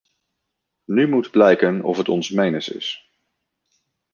Nu moet blijken of het ons menens is.